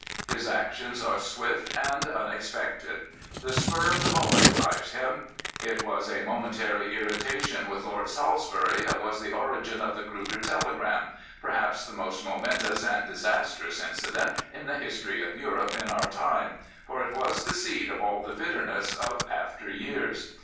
His actions are swift and unexpected. The spur of the moment drives him. It was a momentary irritation with Lord Salisbury that was the origin of the Kruger telegram, perhaps the most momentous and disastrous incident in the history of Europe in our time, for it was the seed of all the bitterness of after years.